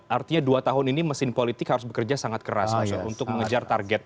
artinya dua tahun ini mesin politik harus bekerja sangat keras untuk mengejar target